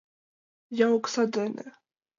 Я окса дене...